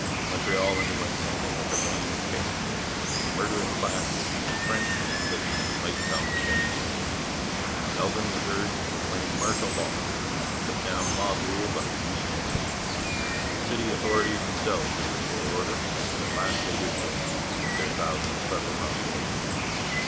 Montreal underwent something like a Reign of Terror; a murderous clash between French and English might come at any moment. Elgin was urged to proclaim martial law and put down mob rule by the use of troops. Wisely he refused to go to such extremes. The city authorities themselves should restore order, and at last they did so with their thousand special constables.